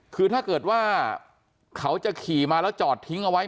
คือถ้าเกิดว่าเขาจะขี่มาแล้วจอดทิ้งเอาไว้